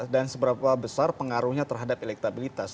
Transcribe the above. dan seberapa besar pengaruhnya terhadap elektabilitas